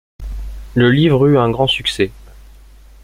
Le livre eut un grand succès.